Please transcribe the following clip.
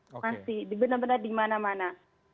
masih benar benar di mana mana